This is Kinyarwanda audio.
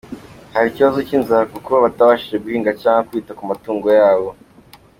Hari ikibazo cy’inzara kuko batabashije guhinga cyangwa kwita ku matungo yabo.